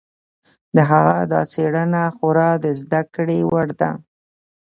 د هغه دا څېړنه خورا د زده کړې وړ ده.